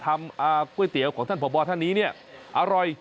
ทำก๋วยเตี๋ยวของท่านพบท่านนี้เนี่ยอร่อย